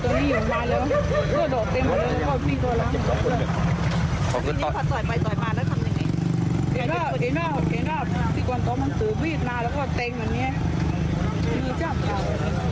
ตีกวดตั้งมันตำนานคือวีดมาแล้วเต็งเหมือนงี้